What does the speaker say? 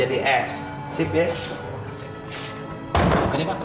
oh dia bayar bufests huh